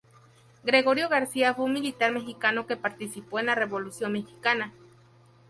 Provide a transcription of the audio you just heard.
Gregorio García fue un militar mexicano que participó en la Revolución mexicana.